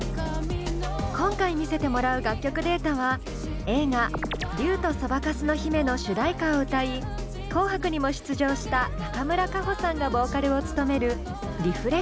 今回見せてもらう楽曲データは映画「竜とそばかすの姫」の主題歌を歌い紅白にも出場した中村佳穂さんがボーカルを務める「ＲＥＦＬＥＣＴＩＯＮ」。